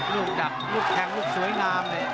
ลูกดักลูกแทงลูกสวยงามเลย